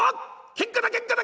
ケンカだケンカだ